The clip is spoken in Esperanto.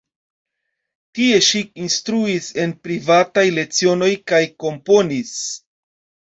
Tie ŝi instruis en privataj lecionoj kaj komponis.